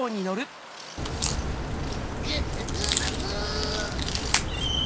グフフのフ！